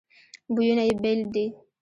بویونه یې بیل دي.